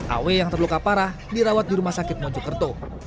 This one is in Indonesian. aw yang terluka parah dirawat di rumah sakit mojokerto